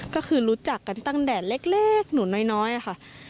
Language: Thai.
ก็คือรู้จักกันตั้งแต่เล็กหนูน้อยค่ะ